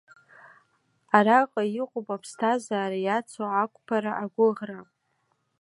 Араҟа иҟоуп аԥсҭазаара иацу ақәԥара, агәыӷра.